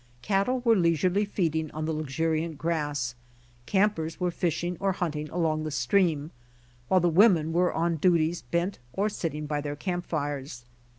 Cattle were leisurely feeding on the luxuriant grass, campers were fishing or hunting along the stream, while the women were on <luties bent or sitting by their camp fires.